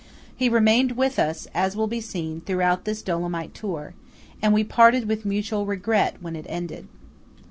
He remained with us, as will be seen, throughout this Dolomite tour; and we parted with mutual regret, when it ended.